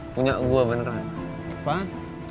punya gue beneran